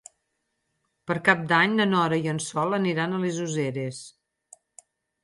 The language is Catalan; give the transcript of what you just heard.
Per Cap d'Any na Nora i en Sol aniran a les Useres.